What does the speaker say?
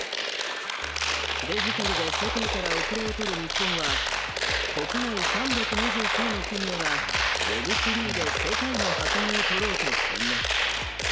デジタルで世界から後れを取る日本は国内３２９の企業がＷｅｂ３で世界の覇権を取ろうと宣言。